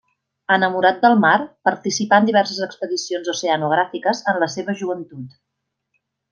Enamorat del mar, participà en diverses expedicions oceanogràfiques en la seva joventut.